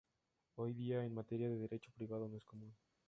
Hoy día en materia de derecho privado no es común.